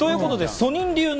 ソニンが？